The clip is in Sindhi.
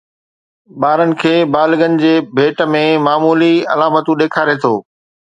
ٻارن کي بالغن جي ڀيٽ ۾ معمولي علامتون ڏيکاري ٿو